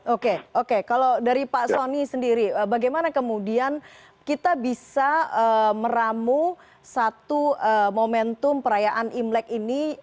oke oke kalau dari pak soni sendiri bagaimana kemudian kita bisa meramu satu momentum perayaan imlek ini